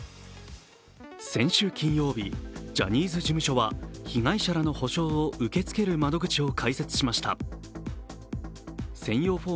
先週金曜日、ジャニーズ事務所は被害者らの補償を受け付けるそんな中、新たな動きが。